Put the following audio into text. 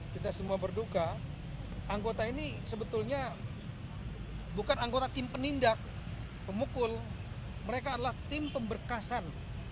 kita semua berduka anggota ini sebetulnya bukan anggota tim penindak pemukul mereka adalah tim pemberkasan